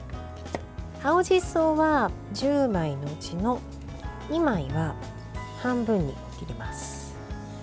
青じそは１０枚のうちの２枚は半分に切ります。